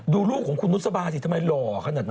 ดูลูกของคุณนุษบาสิทำไมหล่อขนาดนั้น